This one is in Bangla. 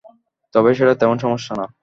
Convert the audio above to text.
তবে সেটা তেমন সমস্যা না।